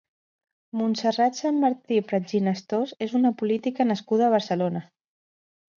Montserrat Sanmartí Pratginestós és una política nascuda a Barcelona.